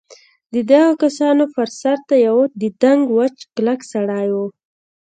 د دغو کسانو بر سر ته یوه دنګ وچ کلک سړي و.